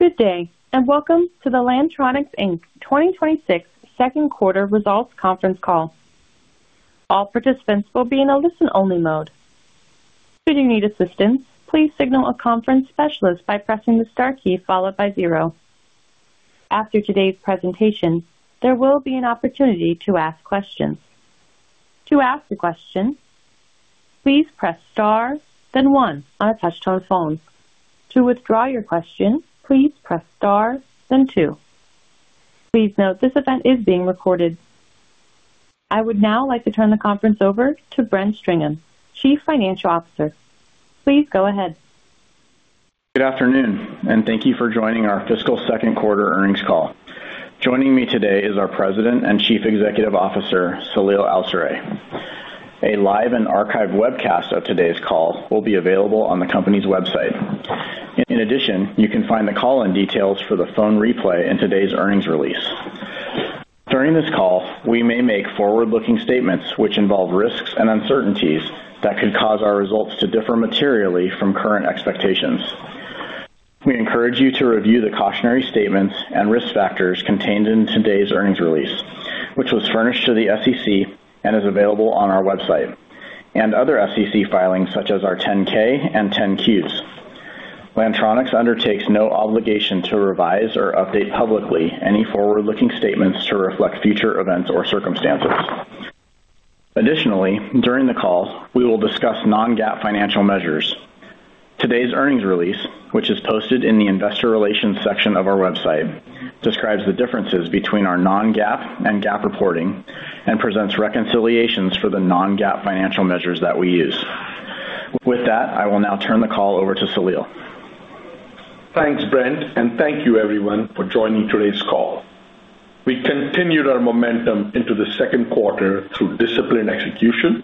Good day, and welcome to the Lantronix Inc. 2026 second quarter results conference call. All participants will be in a listen-only mode. Should you need assistance, please signal a conference specialist by pressing the star key followed by zero. After today's presentation, there will be an opportunity to ask questions. To ask a question, please press star, then one on a touch-tone phone. To withdraw your question, please press star, then two. Please note, this event is being recorded. I would now like to turn the conference over to Brent Stringham, Chief Financial Officer. Please go ahead. Good afternoon, and thank you for joining our fiscal second quarter earnings call. Joining me today is our President and Chief Executive Officer, Saleel Awsare. A live and archived webcast of today's call will be available on the company's website. In addition, you can find the call-in details for the phone replay in today's earnings release. During this call, we may make forward-looking statements which involve risks and uncertainties that could cause our results to differ materially from current expectations. We encourage you to review the cautionary statements and risk factors contained in today's earnings release, which was furnished to the SEC and is available on our website, and other SEC filings, such as our 10-K and 10-Q. Lantronix undertakes no obligation to revise or update publicly any forward-looking statements to reflect future events or circumstances. Additionally, during the call, we will discuss non-GAAP financial measures. Today's earnings release, which is posted in the investor relations section of our website, describes the differences between our non-GAAP and GAAP reporting and presents reconciliations for the non-GAAP financial measures that we use. With that, I will now turn the call over to Saleel. Thanks, Brent, and thank you everyone for joining today's call. We continued our momentum into the second quarter through disciplined execution,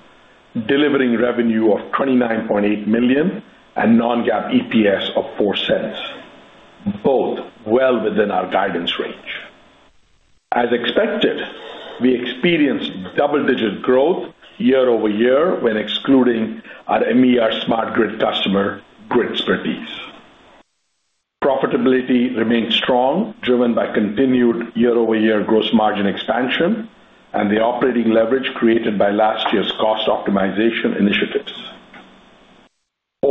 delivering revenue of $29.8 million and Non-GAAP EPS of $0.04, both well within our guidance range. As expected, we experienced double-digit growth year-over-year when excluding our major Smart Grid customer, Gridspertise. Profitability remained strong, driven by continued year-over-year gross margin expansion and the operating leverage created by last year's cost optimization initiatives.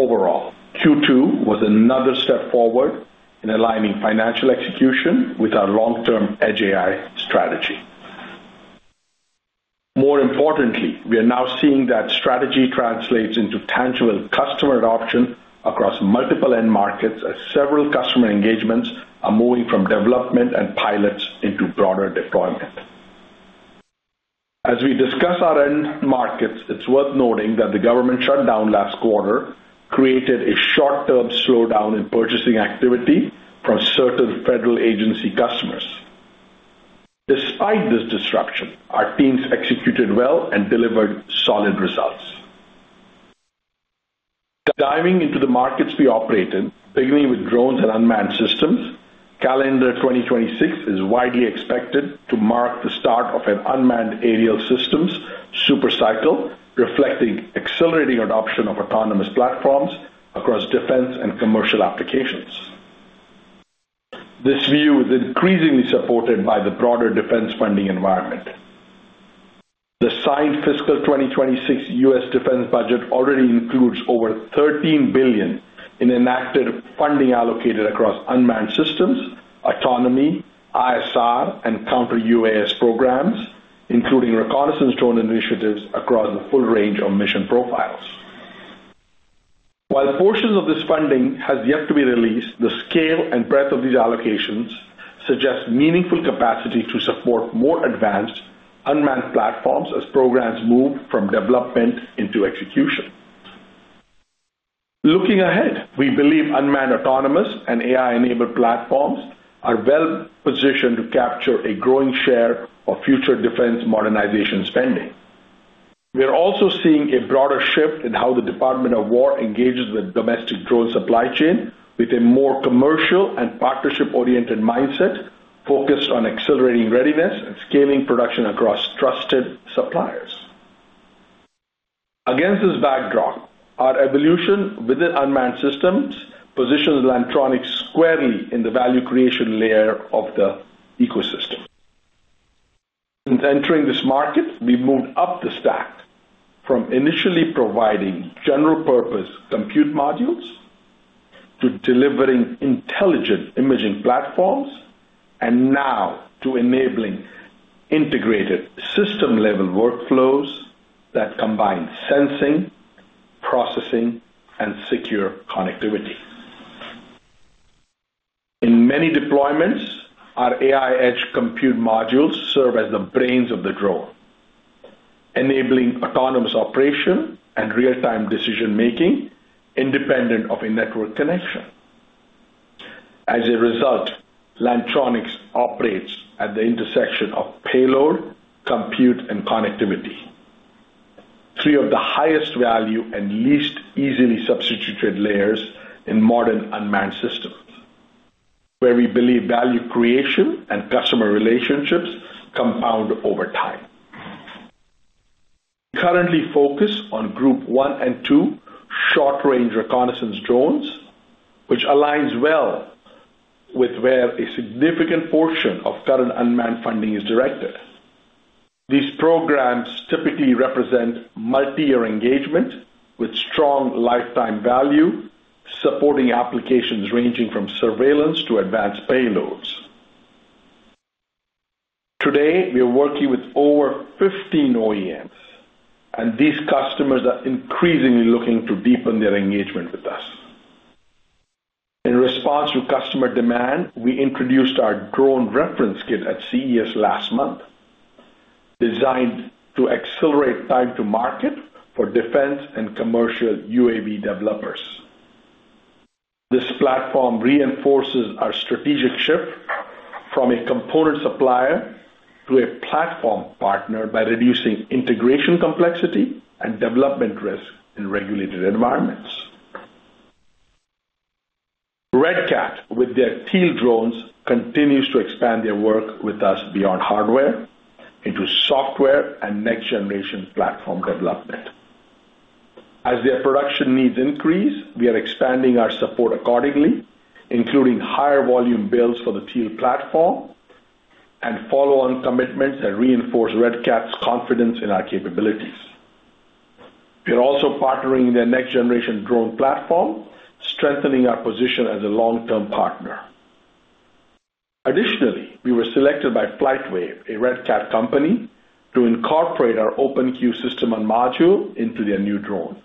Overall, Q2 was another step forward in aligning financial execution with our long-term Edge AI strategy. More importantly, we are now seeing that strategy translates into tangible customer adoption across multiple end markets, as several customer engagements are moving from development and pilots into broader deployment. As we discuss our end markets, it's worth noting that the government shutdown last quarter created a short-term slowdown in purchasing activity from certain federal agency customers. Despite this disruption, our teams executed well and delivered solid results. Diving into the markets we operate in, beginning with drones and unmanned systems, calendar 2026 is widely expected to mark the start of an unmanned aerial systems super cycle, reflecting accelerating adoption of autonomous platforms across defense and commercial applications. This view is increasingly supported by the broader defense funding environment. The signed fiscal 2026 U.S. defense budget already includes over $13 billion in enacted funding allocated across unmanned systems, autonomy, ISR, and counter-UAS programs, including reconnaissance drone initiatives across a full range of mission profiles. While portions of this funding has yet to be released, the scale and breadth of these allocations suggest meaningful capacity to support more advanced unmanned platforms as programs move from development into execution. Looking ahead, we believe unmanned, autonomous, and AI-enabled platforms are well positioned to capture a growing share of future defense modernization spending. We are also seeing a broader shift in how the Department of Defense engages with domestic drone supply chain with a more commercial and partnership-oriented mindset focused on accelerating readiness and scaling production across trusted suppliers. Against this backdrop, our evolution within unmanned systems positions Lantronix squarely in the value creation layer of the ecosystem. Since entering this market, we moved up the stack from initially providing general-purpose compute modules to delivering intelligent imaging platforms, and now to enabling integrated system-level workflows that combine sensing, processing, and secure connectivity. In many deployments, our AI edge compute modules serve as the brains of the drone, enabling autonomous operation and real-time decision-making independent of a network connection. As a result, Lantronix operates at the intersection of payload, compute, and connectivity, three of the highest value and least easily substituted layers in modern unmanned systems, where we believe value creation and customer relationships compound over time. We currently focus on Group 1 and 2 short-range reconnaissance drones, which aligns well with where a significant portion of current unmanned funding is directed. These programs typically represent multi-year engagement with strong lifetime value, supporting applications ranging from surveillance to advanced payloads. Today, we are working with over 15 OEMs, and these customers are increasingly looking to deepen their engagement with us. In response to customer demand, we introduced our drone reference kit at CES last month, designed to accelerate time to market for defense and commercial UAV developers. This platform reinforces our strategic shift from a component supplier to a platform partner by reducing integration complexity and development risk in regulated environments. Red Cat, with their Teal drones, continues to expand their work with us beyond hardware into software and next-generation platform development. As their production needs increase, we are expanding our support accordingly, including higher volume builds for the Teal platform and follow-on commitments that reinforce Red Cat's confidence in our capabilities. We are also partnering their next-generation drone platform, strengthening our position as a long-term partner. Additionally, we were selected by FlightWave, a Red Cat company, to incorporate our Open-Q System on Module into their new drone.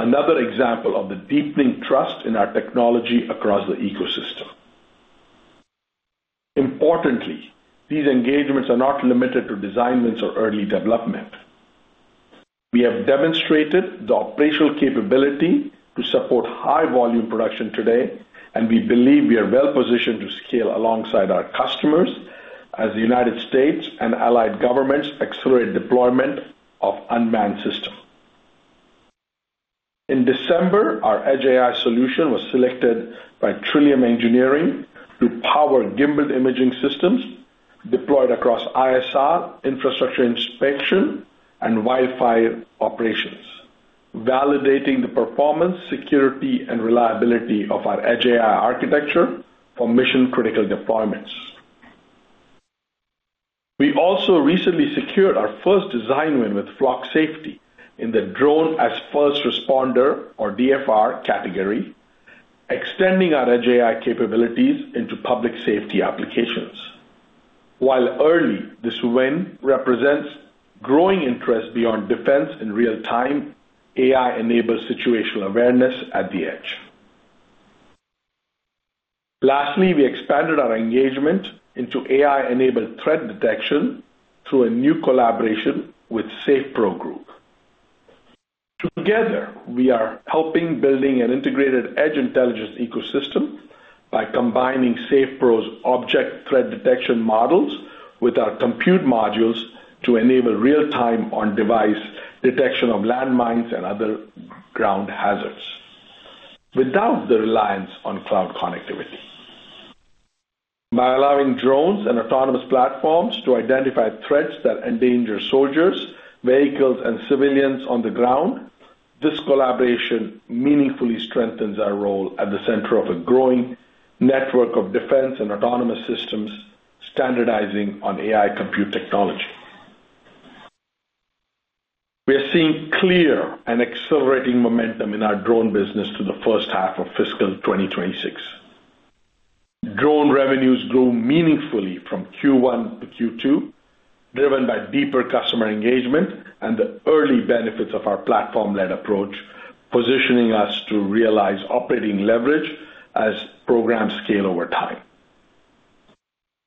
Another example of the deepening trust in our technology across the ecosystem. Importantly, these engagements are not limited to design wins or early development. We have demonstrated the operational capability to support high-volume production today, and we believe we are well positioned to scale alongside our customers as the United States and allied governments accelerate deployment of unmanned systems. In December, our Edge AI solution was selected by Trillium Engineering to power gimbaled imaging systems deployed across ISR, infrastructure inspection, and wildfire operations, validating the performance, security, and reliability of our Edge AI architecture for mission-critical deployments. We also recently secured our first design win with Flock Safety in the Drone as First Responder, or DFR category, extending our Edge AI capabilities into public safety applications. While early, this win represents growing interest beyond defense in real time, AI-enabled situational awareness at the edge. Lastly, we expanded our engagement into AI-enabled threat detection through a new collaboration with Safe Pro Group. Together, we are helping building an integrated edge intelligence ecosystem by combining Safe Pro's object threat detection models with our compute modules to enable real-time on-device detection of landmines and other ground hazards, without the reliance on cloud connectivity. By allowing drones and autonomous platforms to identify threats that endanger soldiers, vehicles, and civilians on the ground, this collaboration meaningfully strengthens our role at the center of a growing network of defense and autonomous systems standardizing on AI compute technology. We are seeing clear and accelerating momentum in our drone business through the first half of fiscal 2026. Drone revenues grew meaningfully from Q1 to Q2, driven by deeper customer engagement and the early benefits of our platform-led approach, positioning us to realize operating leverage as programs scale over time.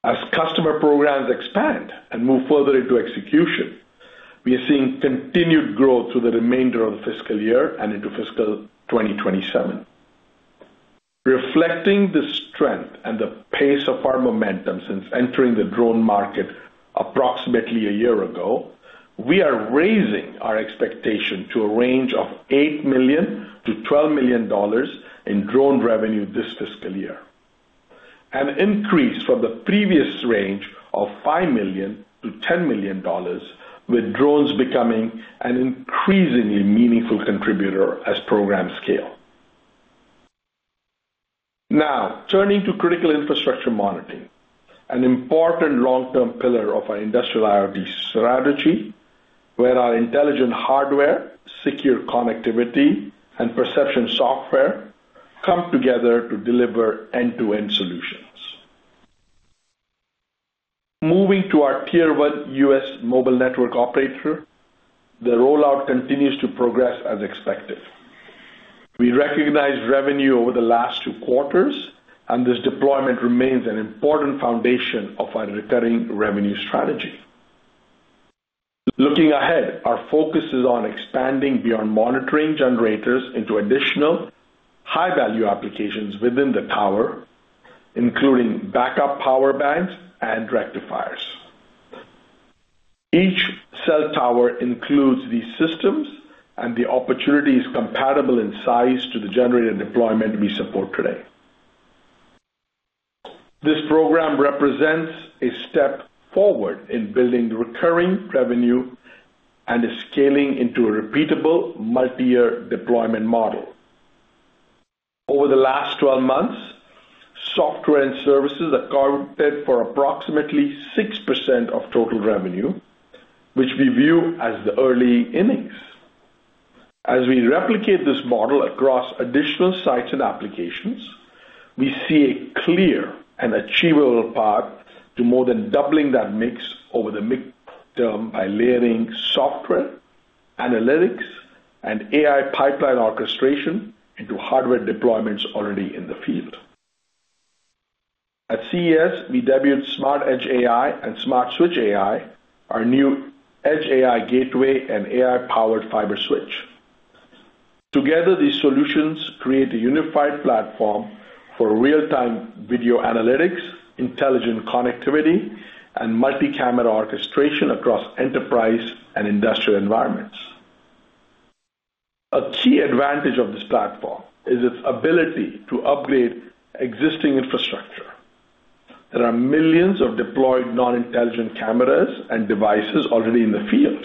As customer programs expand and move further into execution, we are seeing continued growth through the remainder of the fiscal year and into fiscal 2027. Reflecting the strength and the pace of our momentum since entering the drone market approximately a year ago, we are raising our expectation to a range of $8 million-$12 million in drone revenue this fiscal year, an increase from the previous range of $5 million-$10 million, with drones becoming an increasingly meaningful contributor as programs scale. Now, turning to critical infrastructure monitoring, an important long-term pillar of our industrial IoT strategy, where our intelligent hardware, secure connectivity, and perception software come together to deliver end-to-end solutions. Moving to our Tier 1 U.S. mobile network operator, the rollout continues to progress as expected. We recognized revenue over the last two quarters, and this deployment remains an important foundation of our recurring revenue strategy. Looking ahead, our focus is on expanding beyond monitoring generators into additional high-value applications within the tower, including backup power banks and rectifiers. Each cell tower includes these systems, and the opportunity is compatible in size to the generator deployment we support today. This program represents a step forward in building recurring revenue and is scaling into a repeatable multi-year deployment model. Over the last 12 months, software and services accounted for approximately 6% of total revenue, which we view as the early innings. As we replicate this model across additional sites and applications, we see a clear and achievable path to more than doubling that mix over the mid-term by layering software, analytics, and AI pipeline orchestration into hardware deployments already in the field.ai At CES, we debuted SmartEdge AI and SmartSwitch AI, our new Edge AI gateway and AI-powered fiber switch. Together, these solutions create a unified platform for real-time video analytics, intelligent connectivity, and multi-camera orchestration across enterprise and industrial environments. A key advantage of this platform is its ability to upgrade existing infrastructure. There are millions of deployed non-intelligent cameras and devices already in the field,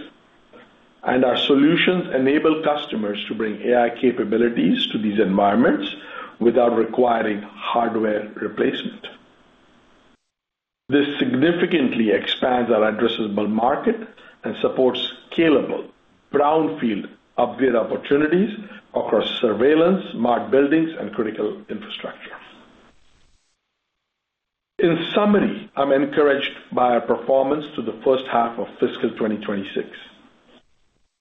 and our solutions enable customers to bring AI capabilities to these environments without requiring hardware replacement. This significantly expands our addressable market and supports scalable brownfield upgrade opportunities across surveillance, smart buildings, and critical infrastructure. In summary, I'm encouraged by our performance through the first half of fiscal 2026.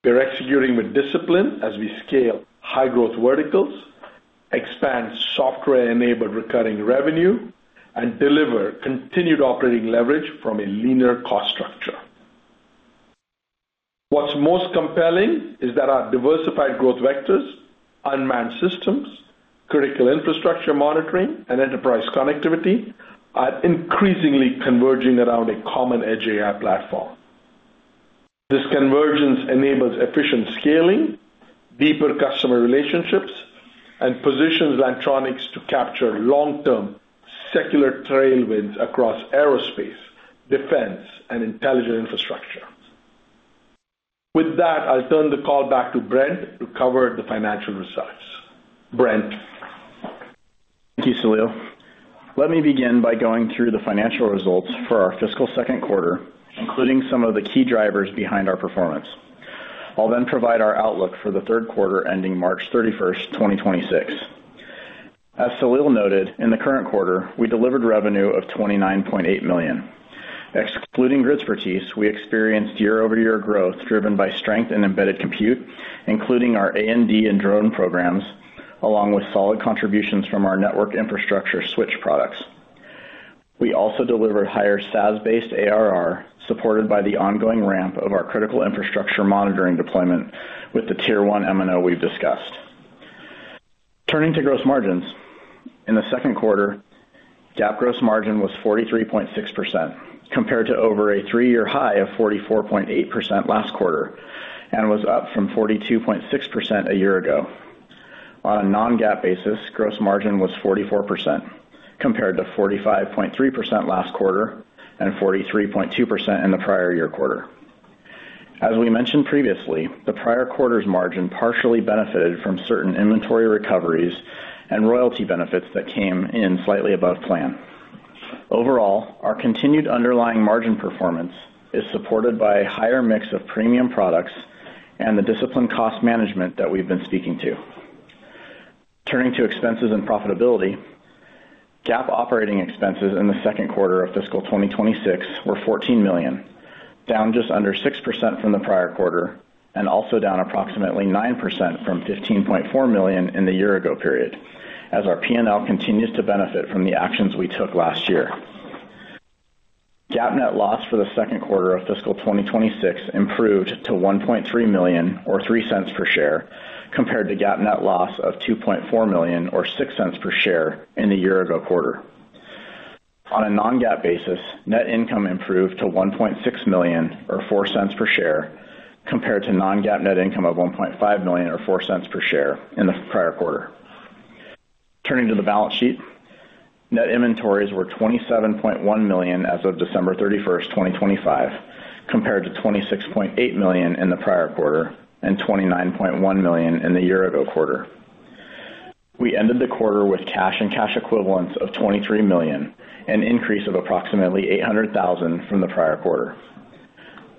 We're executing with discipline as we scale high-growth verticals, expand software-enabled recurring revenue, and deliver continued operating leverage from a linear cost structure. What's most compelling is that our diversified growth vectors, unmanned systems, critical infrastructure monitoring, and enterprise connectivity are increasingly converging around a common Edge AI platform. This convergence enables efficient scaling, deeper customer relationships, and positions Lantronix to capture long-term secular tailwinds across aerospace, defense, and intelligent infrastructure. With that, I'll turn the call back to Brent to cover the financial results. Brent? Thank you, Saleel. Let me begin by going through the financial results for our fiscal second quarter, including some of the key drivers behind our performance. I'll then provide our outlook for the third quarter, ending March 31st, 2026. As Saleel noted, in the current quarter, we delivered revenue of $29.8 million. Excluding Gridspertise, we experienced year-over-year growth driven by strength in embedded compute, including our AMD and drone programs, along with solid contributions from our network infrastructure switch products. We also delivered higher SaaS-based ARR, supported by the ongoing ramp of our critical infrastructure monitoring deployment with the Tier 1 MNO we've discussed. Turning to gross margins. In the second quarter, GAAP gross margin was 43.6%, compared to over a three-year high of 44.8% last quarter, and was up from 42.6% a year ago. On a non-GAAP basis, gross margin was 44%, compared to 45.3% last quarter and 43.2% in the prior year quarter. As we mentioned previously, the prior quarter's margin partially benefited from certain inventory recoveries and royalty benefits that came in slightly above plan. Overall, our continued underlying margin performance is supported by a higher mix of premium products and the disciplined cost management that we've been speaking to. Turning to expenses and profitability. GAAP operating expenses in the second quarter of fiscal 2026 were $14 million, down just under 6% from the prior quarter and also down approximately 9% from $15.4 million in the year ago period, as our P&L continues to benefit from the actions we took last year. GAAP net loss for the second quarter of fiscal 2026 improved to $1.3 million, or $0.03 per share, compared to GAAP net loss of $2.4 million, or $0.06 per share in the year ago quarter. On a non-GAAP basis, net income improved to $1.6 million, or $0.04 per share, compared to non-GAAP net income of $1.5 million, or $0.04 per share in the prior quarter. Turning to the balance sheet. Net inventories were $27.1 million as of December 31st, 2025, compared to $26.8 million in the prior quarter and $29.1 million in the year ago quarter. We ended the quarter with cash and cash equivalents of $23 million, an increase of approximately $800,000 from the prior quarter.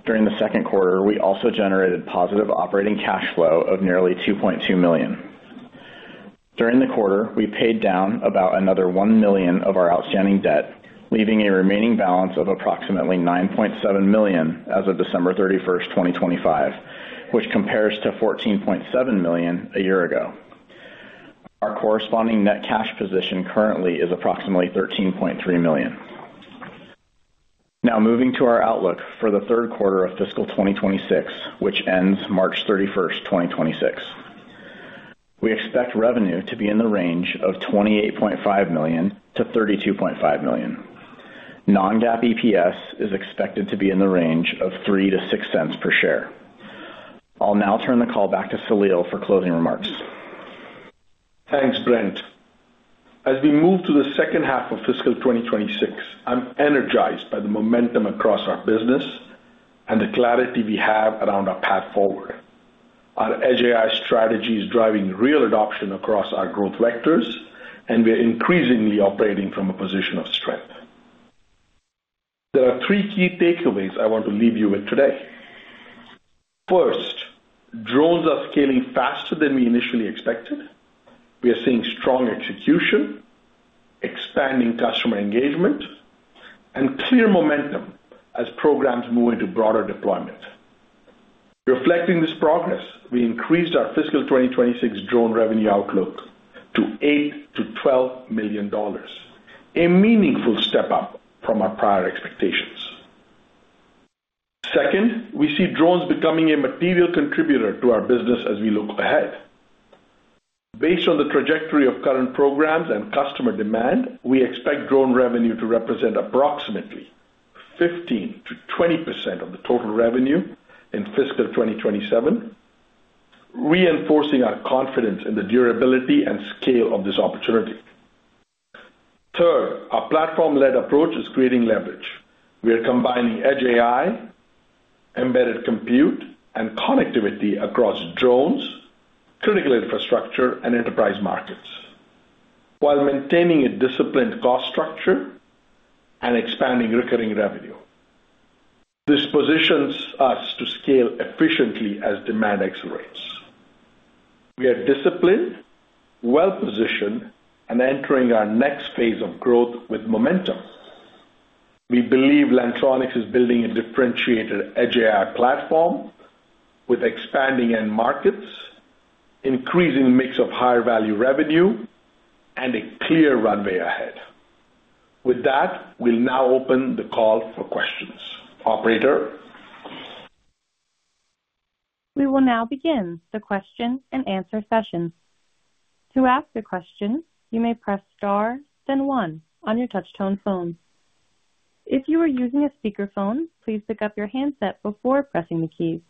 During the second quarter, we also generated positive operating cash flow of nearly $2.2 million. During the quarter, we paid down about another $1 million of our outstanding debt, leaving a remaining balance of approximately $9.7 million as of December 31st, 2025, which compares to $14.7 million a year ago. Our corresponding net cash position currently is approximately $13.3 million. Now, moving to our outlook for the third quarter of fiscal 2026, which ends March 31st, 2026. We expect revenue to be in the range of $28.5 million-$32.5 million. Non-GAAP EPS is expected to be in the range of $0.03-$0.06 per share. I'll now turn the call back to Saleel for closing remarks. Thanks, Brent. As we move to the second half of fiscal 2026, I'm energized by the momentum across our business and the clarity we have around our path forward. Our Edge AI strategy is driving real adoption across our growth vectors, and we are increasingly operating from a position of strength. There are three key takeaways I want to leave you with today. First, drones are scaling faster than we initially expected. We are seeing strong execution, expanding customer engagement, and clear momentum as programs move into broader deployment. Reflecting this progress, we increased our fiscal 2026 drone revenue outlook to $8 million-$12 million, a meaningful step up from our prior expectations. Second, we see drones becoming a material contributor to our business as we look ahead. Based on the trajectory of current programs and customer demand, we expect drone revenue to represent approximately 15%-20% of the total revenue in fiscal 2027, reinforcing our confidence in the durability and scale of this opportunity. Third, our platform-led approach is creating leverage. We are combining Edge AI, embedded compute, and connectivity across drones, critical infrastructure, and enterprise markets, while maintaining a disciplined cost structure and expanding recurring revenue. This positions us to scale efficiently as demand accelerates. We are disciplined, well-positioned, and entering our next phase of growth with momentum. We believe Lantronix is building a differentiated Edge AI platform with expanding end markets, increasing mix of higher value revenue, and a clear runway ahead. With that, we'll now open the call for questions. Operator? We will now begin the question-and-answer session. To ask a question, you may press star, then one on your touchtone phone. If you are using a speakerphone, please pick up your handset before pressing the keys.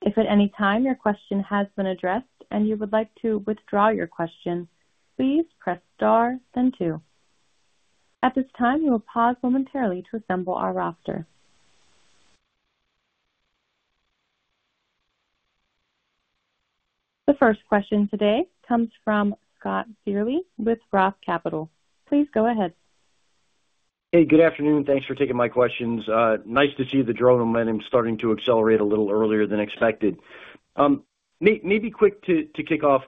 If at any time your question has been addressed and you would like to withdraw your question, please press star then two. At this time, we will pause momentarily to assemble our roster. The first question today comes from Scott Searle with Roth Capital. Please go ahead. Hey, good afternoon. Thanks for taking my questions. Nice to see the drone momentum starting to accelerate a little earlier than expected. Maybe quick to kick off.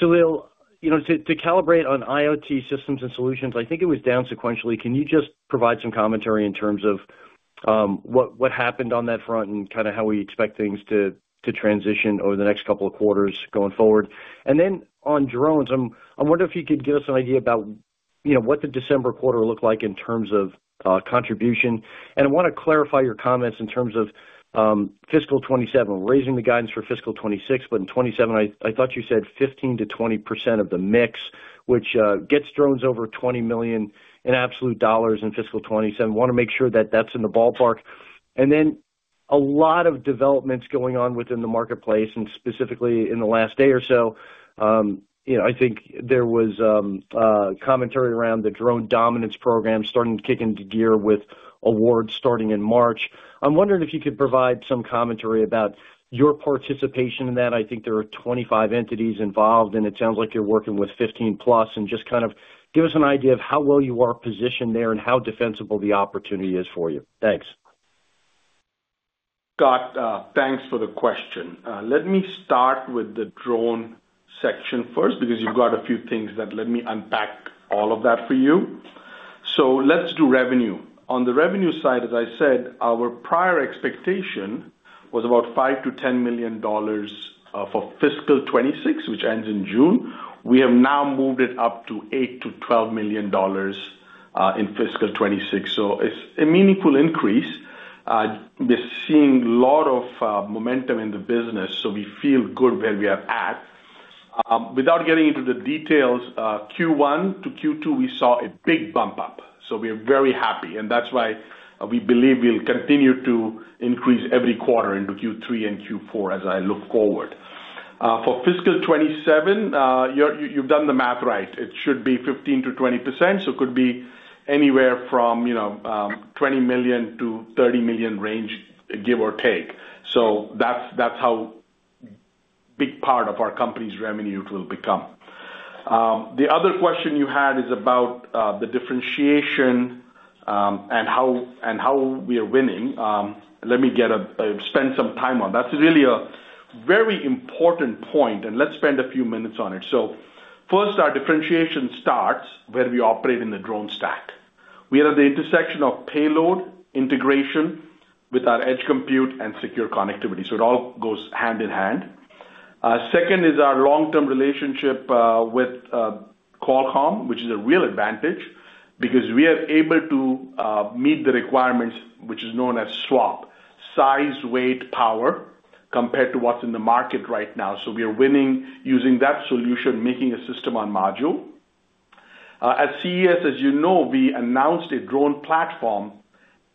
Saleel, you know, to calibrate on IoT systems and solutions, I think it was down sequentially. Can you just provide some commentary in terms of what happened on that front and kinda how we expect things to transition over the next couple of quarters going forward? And then on drones, I wonder if you could give us an idea about, you know, what the December quarter looked like in terms of contribution. And I wanna clarify your comments in terms of fiscal 2027, raising the guidance for fiscal 2026, but in 2027, I, I thought you said 15%-20% of the mix, which gets drones over $20 million in absolute dollars in fiscal 2027. Wanna make sure that that's in the ballpark. And then a lot of developments going on within the marketplace, and specifically in the last day or so, you know, I think there was commentary around the Drone Dominance Program starting to kick into gear with awards starting in March. I'm wondering if you could provide some commentary about your participation in that. I think there are 25 entities involved, and it sounds like you're working with 15+. And just kind of give us an idea of how well you are positioned there and how defensible the opportunity is for you. Thanks. Scott, thanks for the question. Let me start with the drone section first, because you've got a few things that let me unpack all of that for you. So let's do revenue. On the revenue side, as I said, our prior expectation was about $5 million-$10 million for fiscal 2026, which ends in June. We have now moved it up to $8 million-$12 million in fiscal 2026, so it's a meaningful increase. We're seeing a lot of momentum in the business, so we feel good where we are at. Without getting into the details, Q1 to Q2, we saw a big bump up, so we are very happy, and that's why we believe we'll continue to increase every quarter into Q3 and Q4 as I look forward. For fiscal 2027, you've done the math right. It should be 15%-20%, so it could be anywhere from, you know, $20 million-$30 million range, give or take. So that's, that's how big part of our company's revenue it will become. The other question you had is about the differentiation, and how, and how we are winning. Let me spend some time on. That's really a very important point, and let's spend a few minutes on it. So first, our differentiation starts where we operate in the drone stack. We are at the intersection of payload, integration with our edge compute, and secure connectivity, so it all goes hand in hand. Second is our long-term relationship with Qualcomm, which is a real advantage because we are able to meet the requirements, which is known as SWaP, Size, Weight, Power, compared to what's in the market right now. So we are winning using that solution, making a System on Module. At CES, as you know, we announced a drone platform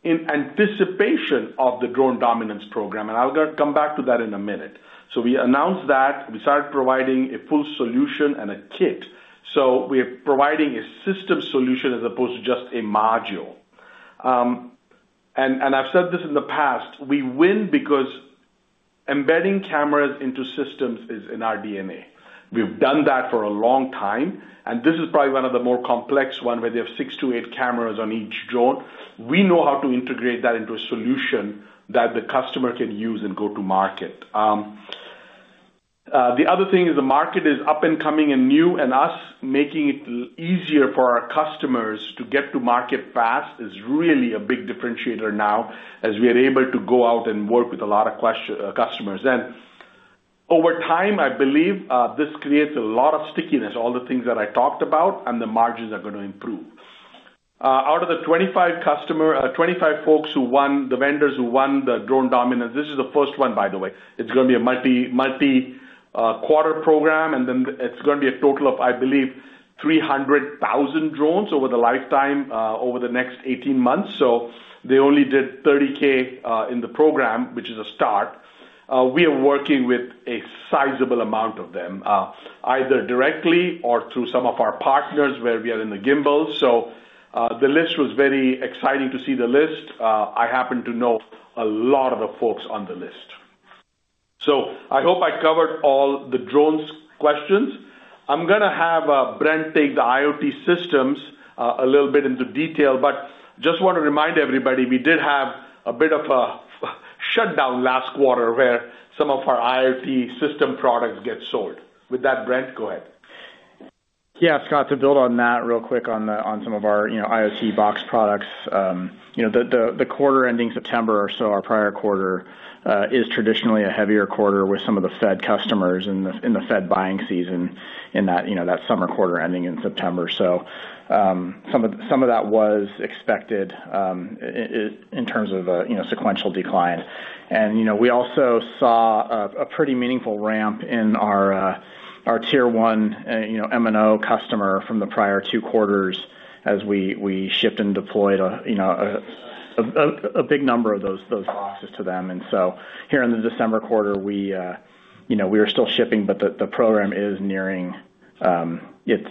in anticipation of the Drone Dominance Program, and I'm gonna come back to that in a minute. So we announced that, we started providing a full solution and a kit. So we're providing a system solution as opposed to just a module. And I've said this in the past, we win because embedding cameras into systems is in our DNA. We've done that for a long time, and this is probably one of the more complex one, where they have six to eight cameras on each drone. We know how to integrate that into a solution that the customer can use and go to market. The other thing is the market is up and coming and new, and us making it easier for our customers to get to market fast is really a big differentiator now, as we are able to go out and work with a lot of customers. And over time, I believe, this creates a lot of stickiness, all the things that I talked about, and the margins are going to improve. Out of the 25 folks who won, the vendors who won the Drone Dominance, this is the first one, by the way. It's gonna be a multi, multi, quarter program, and then it's gonna be a total of, I believe, 300,000 drones over the lifetime, over the next 18 months. So they only did 30K in the program, which is a start. We are working with a sizable amount of them, either directly or through some of our partners, where we are in the gimbal. So, the list was very exciting to see the list. I happen to know a lot of the folks on the list. So I hope I covered all the drones questions. I'm gonna have Brent take the IoT systems a little bit into detail, but just want to remind everybody, we did have a bit of a shutdown last quarter, where some of our IoT system products get sold. With that, Brent, go ahead. Yeah, Scott, to build on that real quick on some of our, you know, IoT box products. You know, the quarter ending September or so, our prior quarter, is traditionally a heavier quarter with some of the FED customers in the FED buying season, in that, you know, that summer quarter ending in September. So, some of that was expected, in terms of a, you know, sequential decline. And, you know, we also saw a pretty meaningful ramp in our Tier 1, you know, M&O customer from the prior two quarters as we shipped and deployed, you know, a big number of those boxes to them. And so here in the December quarter, we, you know, we are still shipping, but the program is nearing its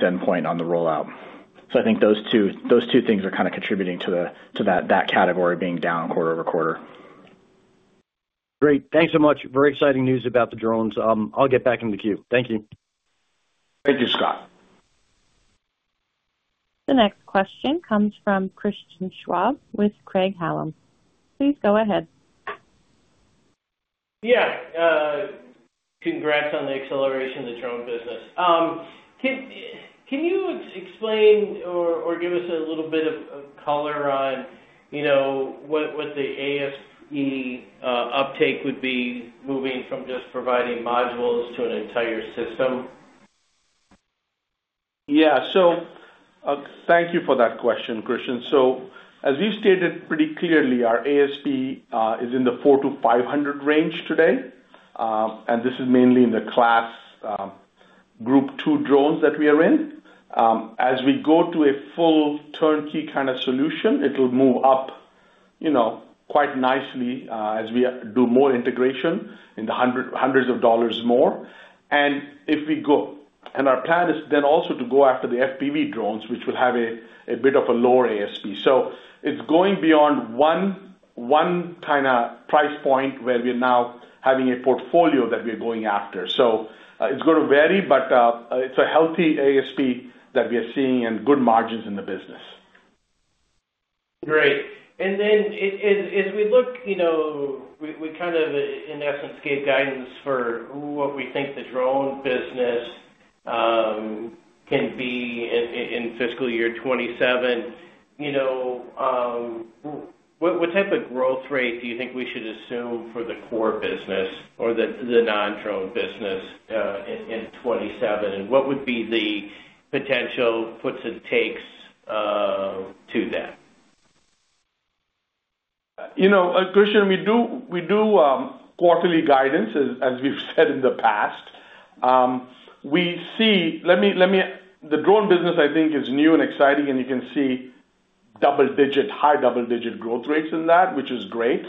endpoint on the rollout. So I think those two things are kind of contributing to that category being down quarter-over-quarter. Great. Thanks so much. Very exciting news about the drones. I'll get back in the queue. Thank you. Thank you, Scott. The next question comes from Christian Schwab with Craig-Hallum. Please go ahead. Yeah. Congrats on the acceleration of the drone business. Can you explain or give us a little bit of color on, you know, what the ASP uptake would be moving from just providing modules to an entire system? Yeah. So, thank you for that question, Christian. So as we've stated pretty clearly, our ASP is in the $400-$500 range today, and this is mainly in the class group two drones that we are in. As we go to a full turnkey kind of solution, it'll move up, you know, quite nicely, as we do more integration in the hundreds of dollars more. And if we go—and our plan is then also to go after the FPV drones, which will have a bit of a lower ASP. So it's going beyond one kind of price point, where we are now having a portfolio that we are going after. So, it's gonna vary, but, it's a healthy ASP that we are seeing and good margins in the business. Great. And then as we look, you know, we kind of in essence gave guidance for what we think the drone business can be in fiscal year 2027. You know, what type of growth rate do you think we should assume for the core business or the non-drone business in 2027? And what would be the potential puts and takes to that? You know, Christian, we do quarterly guidance, as we've said in the past. We see... Let me - the drone business, I think, is new and exciting, and you can see double digit, high double-digit growth rates in that, which is great.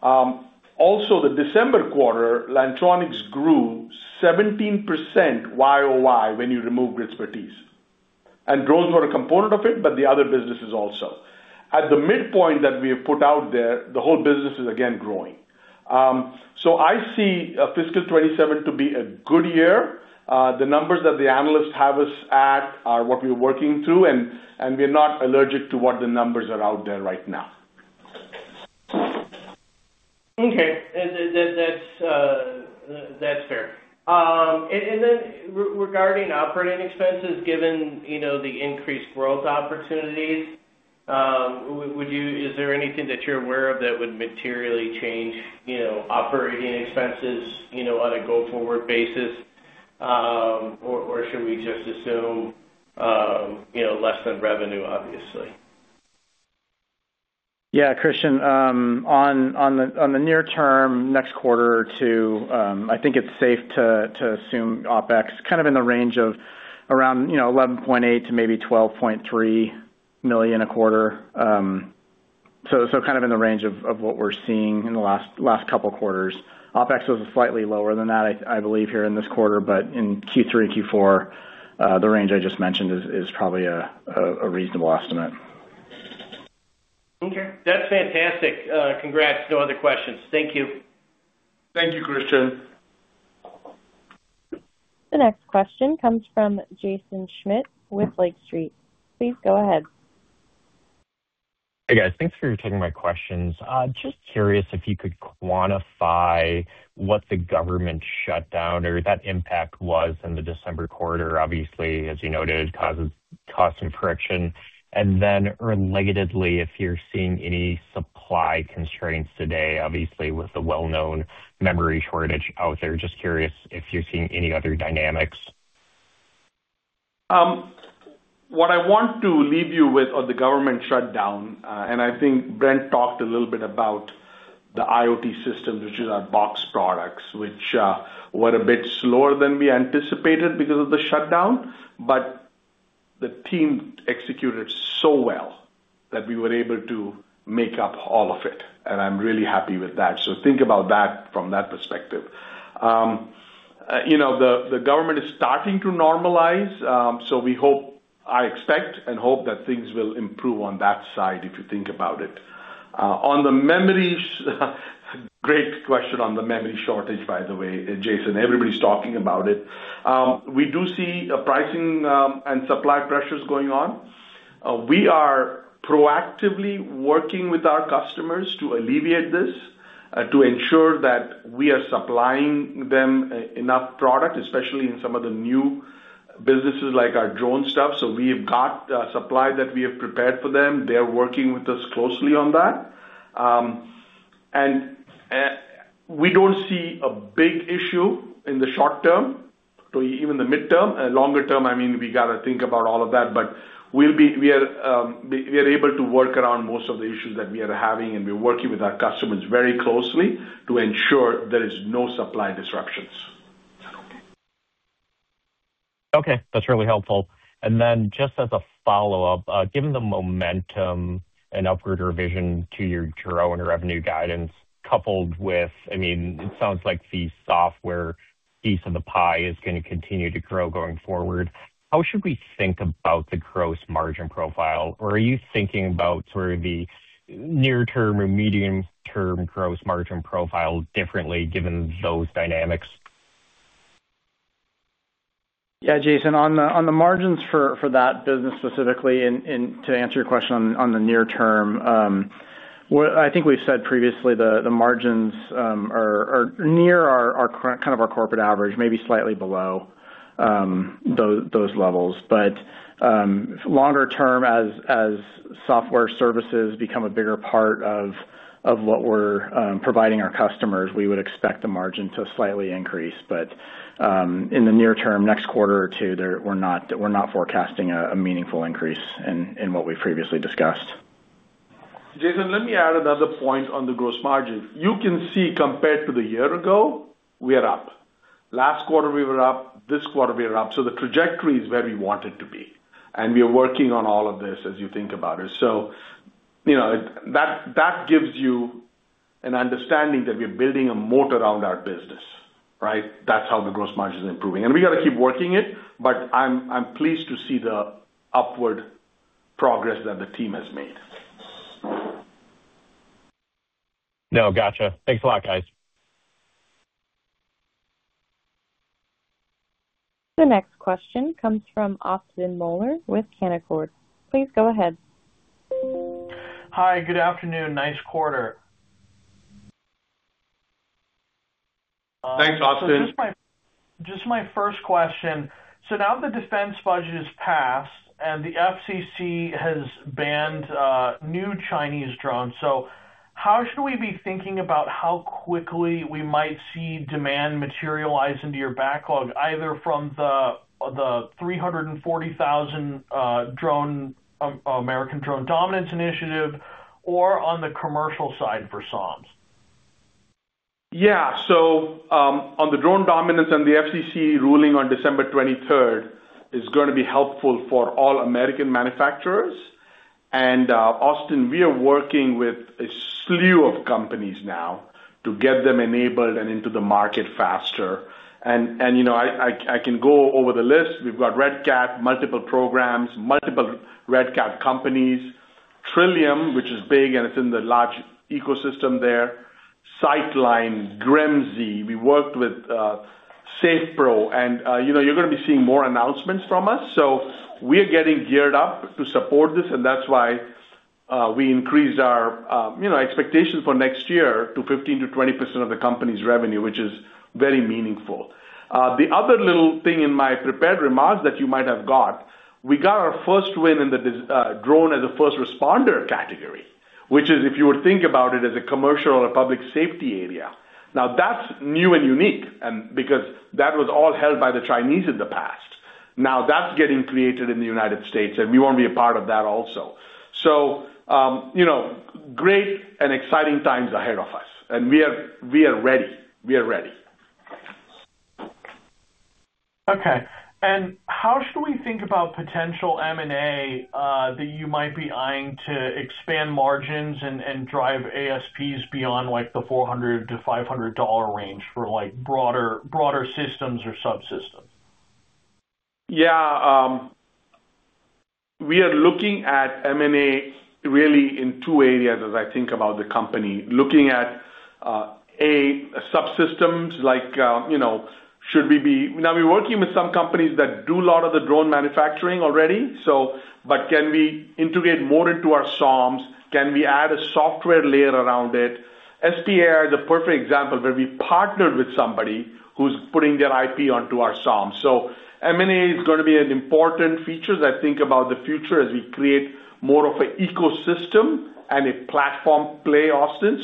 Also, the December quarter, Lantronix grew 17% YoY when you remove Gridspertise. And drones were a component of it, but the other businesses also. At the midpoint that we have put out there, the whole business is again growing. So I see fiscal 2027 to be a good year. The numbers that the analysts have us at are what we're working to, and we're not allergic to what the numbers are out there right now. Okay. That's fair. And then regarding operating expenses, given, you know, the increased growth opportunities, would you-- is there anything that you're aware of that would materially change, you know, operating expenses, you know, on a go-forward basis? Or should we just assume, you know, less than revenue, obviously? Yeah, Christian, on the near term, next quarter or two, I think it's safe to assume OpEx kind of in the range of around, you know, $11.8 million-$12.3 million a quarter. So, kind of in the range of what we're seeing in the last couple quarters. OpEx was slightly lower than that, I believe, here in this quarter, but in Q3, Q4, the range I just mentioned is probably a reasonable estimate. Okay, that's fantastic. Congrats. No other questions. Thank you. Thank you, Christian. The next question comes from Jaeson Schmidt with Lake Street. Please go ahead. Hey, guys. Thanks for taking my questions. Just curious if you could quantify what the government shutdown or that impact was in the December quarter. Obviously, as you noted, caused some friction. And then relatedly, if you're seeing any supply constraints today, obviously with the well-known memory shortage out there. Just curious if you're seeing any other dynamics. What I want to leave you with on the government shutdown, and I think Brent talked a little bit about the IoT system, which is our box products, which were a bit slower than we anticipated because of the shutdown. But the team executed so well that we were able to make up all of it, and I'm really happy with that. So think about that from that perspective. You know, the government is starting to normalize, so we hope... I expect and hope that things will improve on that side, if you think about it. On the memories, great question on the memory shortage, by the way, Jaeson, everybody's talking about it. We do see pricing, and supply pressures going on. We are proactively working with our customers to alleviate this, to ensure that we are supplying them enough product, especially in some of the new businesses, like our drone stuff. So we've got supply that we have prepared for them. They're working with us closely on that. We don't see a big issue in the short term, to even the midterm and longer term. I mean, we gotta think about all of that, but we are able to work around most of the issues that we are having, and we're working with our customers very closely to ensure there is no supply disruptions. Okay, that's really helpful. Just as a follow-up, given the momentum and upward revision to your drone revenue guidance, coupled with, I mean, it sounds like the software piece of the pie is gonna continue to grow going forward, how should we think about the gross margin profile? Or are you thinking about sort of the near term or medium-term gross margin profile differently given those dynamics? Yeah, Jaeson, on the margins for that business specifically, and to answer your question on the near term, well, I think we've said previously, the margins are near our current, kind of our corporate average, maybe slightly below those levels. But longer term, as software services become a bigger part of what we're providing our customers, we would expect the margin to slightly increase. But in the near term, next quarter or two, we're not forecasting a meaningful increase in what we previously discussed. Jaeson, let me add another point on the gross margin. You can see compared to the year ago, we are up. Last quarter, we were up. This quarter, we are up. So the trajectory is where we want it to be, and we are working on all of this, as you think about it. So, you know, that gives you an understanding that we're building a moat around our business, right? That's how the gross margin is improving, and we got to keep working it, but I'm pleased to see the upward progress that the team has made. No, gotcha. Thanks a lot, guys. The next question comes from Austin Moeller with Canaccord. Please go ahead. Hi, good afternoon. Nice quarter. Thanks, Austin. Just my, just my first question: So now the defense budget is passed, and the FCC has banned new Chinese drones. So how should we be thinking about how quickly we might see demand materialize into your backlog, either from the 340,000 drone American Drone Dominance Initiative or on the commercial side for SOMs? Yeah. So, on the Drone Dominance and the FCC ruling on December twenty-third, is gonna be helpful for all American manufacturers. And, Austin, we are working with a slew of companies now to get them enabled and into the market faster. And, you know, I can go over the list. We've got Red Cat, multiple programs, multiple Red Cat companies, Trillium, which is big, and it's in the large ecosystem there, SightLine, Gremsy. We worked with Safe Pro, and, you know, you're gonna be seeing more announcements from us. So we are getting geared up to support this, and that's why we increased our expectations for next year to 15%-20% of the company's revenue, which is very meaningful. The other little thing in my prepared remarks that you might have got, we got our first win in the drone as a first responder category, which is, if you would think about it, as a commercial or public safety area. Now, that's new and unique, and because that was all held by the Chinese in the past Now that's getting created in the United States, and we want to be a part of that also. So, you know, great and exciting times ahead of us, and we are, we are ready. We are ready. Okay. And how should we think about potential M&A that you might be eyeing to expand margins and drive ASPs beyond like the $400-$500 range for like broader systems or subsystems? Yeah, we are looking at M&A really in two areas as I think about the company. Looking at A, subsystems like you know, should we be now we're working with some companies that do a lot of the drone manufacturing already, so but can we integrate more into our SOMs? Can we add a software layer around it? SPAI is a perfect example, where we partnered with somebody who's putting their IP onto our SOM. So M&A is gonna be an important feature as I think about the future, as we create more of an ecosystem and a platform play, Austin.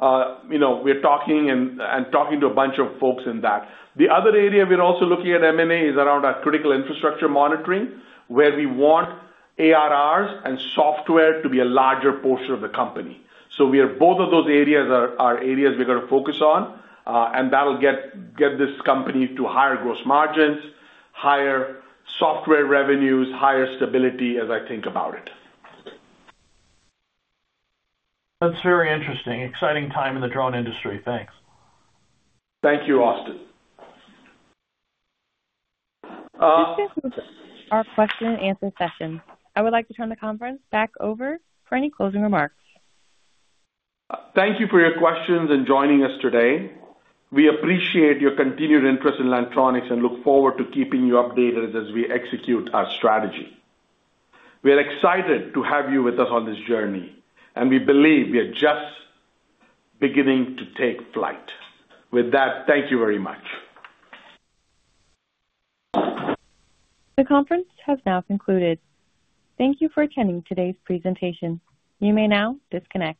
So, you know, we're talking and talking to a bunch of folks in that. The other area we're also looking at M&A is around our critical infrastructure monitoring, where we want ARRs and software to be a larger portion of the company. So both of those areas are areas we're gonna focus on, and that'll get this company to higher gross margins, higher software revenues, higher stability as I think about it. That's very interesting. Exciting time in the drone industry. Thanks. Thank you, Austin. This concludes our question and answer session. I would like to turn the conference back over for any closing remarks. Thank you for your questions and joining us today. We appreciate your continued interest in Lantronix and look forward to keeping you updated as we execute our strategy. We are excited to have you with us on this journey, and we believe we are just beginning to take flight. With that, thank you very much. The conference has now concluded. Thank you for attending today's presentation. You may now disconnect.